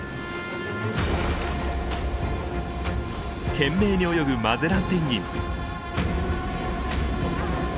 懸命に泳ぐマゼランペンギン。